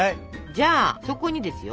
じゃあそこにですよ。